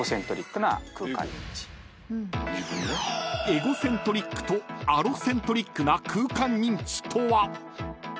［エゴセントリックとアロセントリックな空間認知とは？］